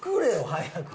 早く。